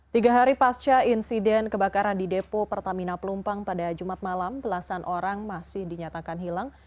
tiga hari pasca insiden kebakaran di depo pertamina pelumpang pada jumat malam belasan orang masih dinyatakan hilang